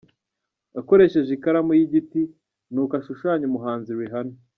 Akoresheje ikaramu y'igiti, ni uku ashushanya umuhanzi Rihanna.